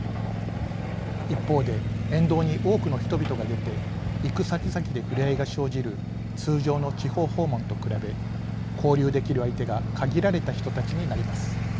一方で沿道に多くの人々が出て行く先々で触れ合いが生じる通常の地方訪問と比べ交流できる相手が限られた人たちになります。